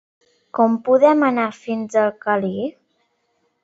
Com podem anar fins a Càlig?